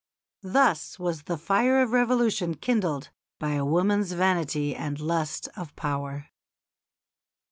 Thus was the fire of revolution kindled by a woman's vanity and lust of power.